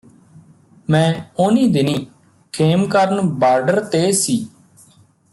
ਮੈਂ ਉਨ੍ਹੀਂ ਦਿਨੀਂ ਖੇਮਕਰਨ ਬਾਰਡਰ ਤੇ ਸੀ